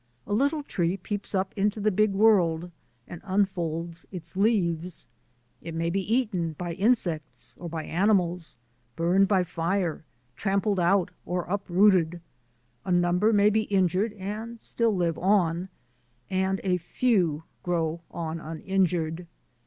A little tree peeps up into the big world and un folds its leaves. It may be eaten by insects or by animals, burned by fire, trampled out, or uprooted. A number may be injured and still live on, and a few grow on uninjured.